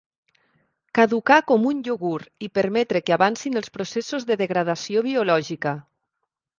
Caducar com un iogurt i permetre que avancin els processos de degradació biològica.